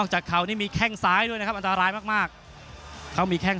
ก็เข้าอีกนิดนึง